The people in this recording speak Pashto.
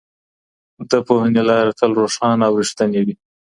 د پوهني لاره تل روښانه او رښتینې وي.